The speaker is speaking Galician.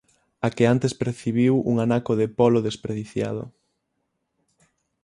A que antes percibiu un anaco de polo desperdiciado.